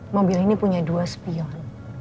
mobil ini punya dua spion